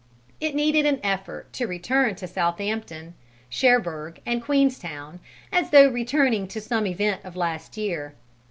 It needed an effort to return to Southampton, Cherbourg and Queenstown, as though returning to some event of last year.